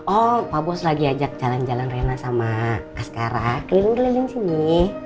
oh pak bos lagi ajak jalan jalan rena sama askara keliling keliling sini